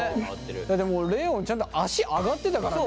だってもうレオンちゃんと足上がってたからね。